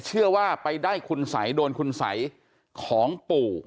เชื่อว่าไปได้คุณสัยโดนคุณสัยของปู่